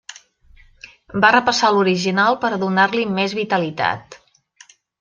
Va repassar l’original per a donar-li més vitalitat.